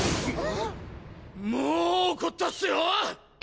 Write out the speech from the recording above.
もう怒ったっすよ！